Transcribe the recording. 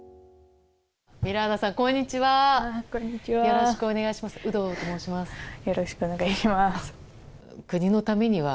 ミラーナさん、こんにちは。